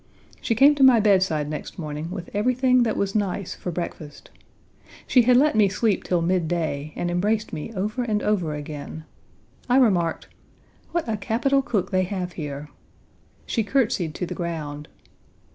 She came to my bedside next morning with everything that was nice for breakfast. She had let me sleep till midday, and embraced me over and over again. I remarked: "What a capital cook they have here!" She curtsied to the ground.